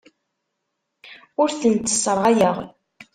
Ur tent-sserɣayeɣ.